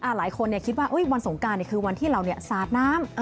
หลายคนคิดว่าวันสงการคือวันที่เราสาดน้ำ